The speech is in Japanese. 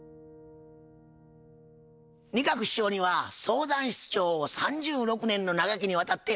仁鶴師匠には相談室長を３６年の長きにわたってお務め頂きました。